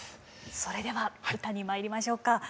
それでは歌にまいりましょうか。